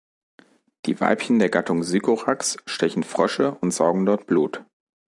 Die Weibchen der Gattung "Sycorax" stechen Frösche und saugen dort Blut.